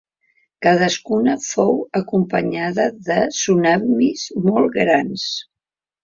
Cadascuna fou acompanyada de tsunamis molt grans.